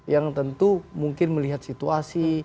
yang tentu mungkin melihat situasi